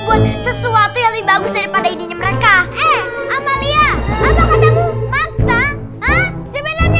buat sesuatu yang lebih bagus daripada ini mereka eh amalia apa katamu maksa sebenarnya